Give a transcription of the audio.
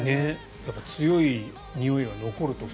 やっぱり強いにおいが残ると。